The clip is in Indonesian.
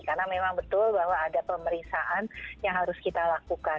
karena memang betul bahwa ada pemeriksaan yang harus kita lakukan